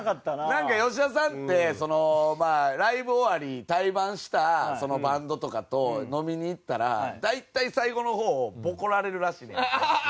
なんか吉田さんってライブ終わり対バンしたそのバンドとかと飲みに行ったら大体最後の方ボコられるらしいねん。